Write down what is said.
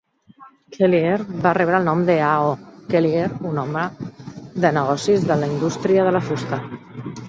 Kelliher va rebre el nom de A. O. Kelliher, un home de negocis de la indústria de la fusta.